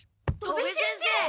戸部先生！